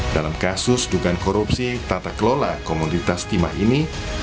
dalam kasus dugaan korupsi tata kelola komoditas timah ini